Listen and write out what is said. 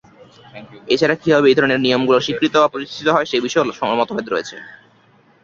এছাড়া, কীভাবে এই ধরনের নিয়মগুলো স্বীকৃত বা প্রতিষ্ঠিত হয়, সেই বিষয়েও মতভেদ রয়েছে।